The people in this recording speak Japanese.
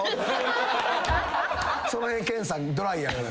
そのへん健さんドライやからな。